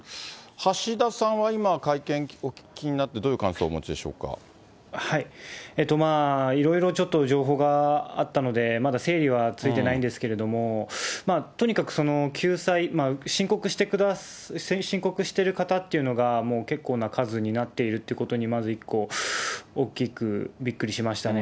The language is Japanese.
橋田さんは今、会見をお聞きになって、いろいろちょっと情報があったので、まだ整理はついてないんですけれども、とにかく救済、申告してる方っていうのが、もう結構な数になっているということに、まず一個、大きくびっくりしましたね。